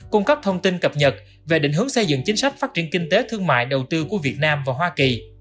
cung cấp thông tin cập nhật về định hướng xây dựng chính sách phát triển kinh tế thương mại đầu tư của việt nam và hoa kỳ